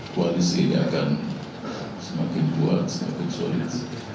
kualisinya akan semakin kuat semakin solid